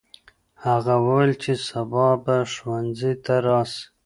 هغه وویل چې سبا به ښوونځي ته راسې.